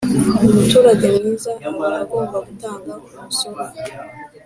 Umuturage mwiza aba agomba gutanga umusoro